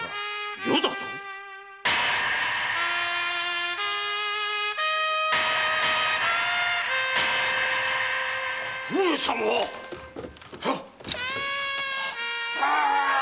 「余」だと⁉上様！ははーっ！